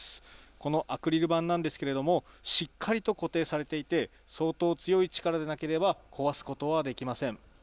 このアクリル板なんですけれども、しっかりと固定されていて、相当強い力でなければ壊すことはできません。